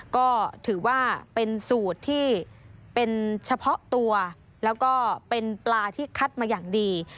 ก็ถือว่าเป็นสูตรที่เป็นเฉพาะตัวแล้วก็เป็นปลาที่คัดมาอย่างดี